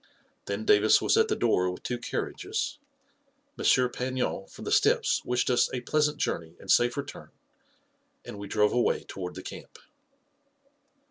Then Davis was at the door with two carriages; M. Pagnon, from the steps, wished us a pleasant journey and safe return; and we drove away toward the camp.